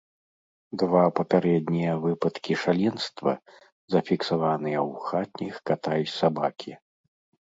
Два папярэднія выпадкі шаленства зафіксаваныя ў хатніх ката і сабакі.